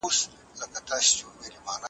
هغه اوس په خپله په هغه کورس کې استاده شوې ده.